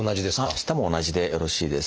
舌も同じでよろしいです。